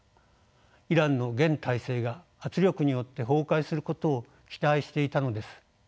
イランの現体制が圧力によって崩壊することを期待していたのです。